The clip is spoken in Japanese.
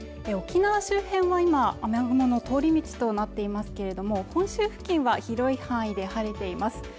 沖縄周辺は今雨雲の通り道となっていますけれども本州付近は広い範囲で晴れています